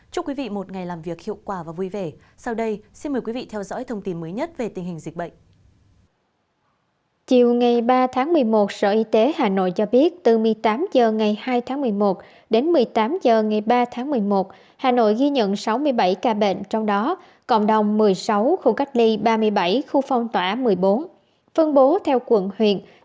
chúc quý vị một ngày làm việc hiệu quả và vui vẻ sau đây xin mời quý vị theo dõi thông tin mới nhất về tình hình dịch bệnh